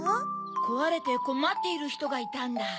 こわれてこまっているひとがいたんだ。